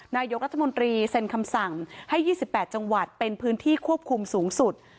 นายกรัฐมนตรีเซ็นคำสั่งให้๒๘จังหวัดเป็นพื้นที่ควบคุมสูงสุด